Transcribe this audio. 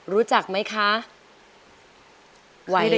มูลค่า๔๐๐๐๐บาท